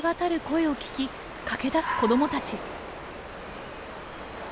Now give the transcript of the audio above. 声を聞き駆け出す子どもたち。